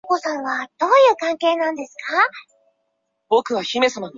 幌伞枫是五加科幌伞枫属的植物。